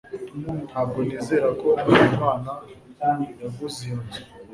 ntabwo nizera ko habimana yaguze iyo nzu